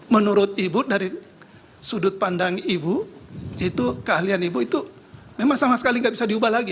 menurut ibu dari sudut pandang ibu itu keahlian ibu itu memang sama sekali nggak bisa diubah lagi